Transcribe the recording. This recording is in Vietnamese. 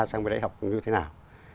sang với đại học như thế nào